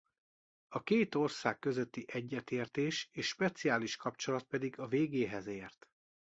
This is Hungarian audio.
A két ország közötti egyetértés és speciális kapcsolat pedig a végéhez ért.